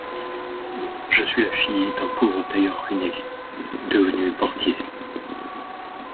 Je suis la fille d’un pauvre tailleur ruiné, devenu portier.